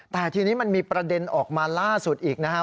แต่ทีนี้มันมีประเด็นออกมาล่าสุดอีกนะฮะ